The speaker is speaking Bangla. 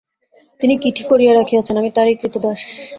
তিনি কি ঠিক করিয়া রাখিয়াছেন, আমি তাঁহারই ক্রীতদাস।